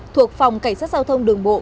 thuộc phòng cảnh sát giao thông đường bộ